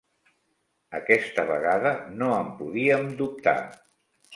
Aquesta vegada no en podíem dubtar